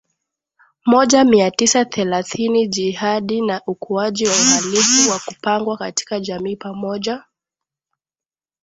moja mia tisa thelathini Jihadi na ukuaji wa uhalifu wa kupangwa katika jamii pamoja